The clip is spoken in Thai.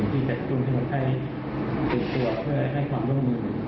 ที่จะต้องให้ตื่นตัวให้ความร่วมมือ